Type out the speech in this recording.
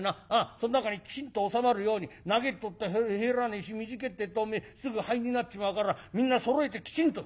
その中にきちんと収まるように長えてっと入らねえし短えてっとおめえすぐ灰になっちまうからみんなそろえてきちんと。